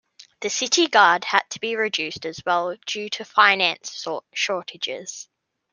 The city guard had to be reduced as well due to finance shortages.